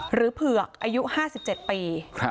เผือกอายุ๕๗ปี